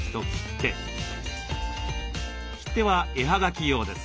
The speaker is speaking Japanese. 切手は絵はがき用です。